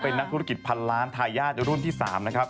เป็นนักธุรกิจพันล้านทายาทรุ่นที่๓นะครับ